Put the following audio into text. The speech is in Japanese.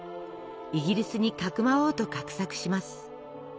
イギリスにかくまおうと画策します。